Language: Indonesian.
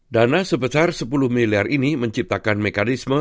dana sebesar sepuluh miliar ini menciptakan mekanisme